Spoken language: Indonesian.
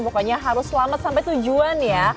pokoknya harus selamat sampai tujuan ya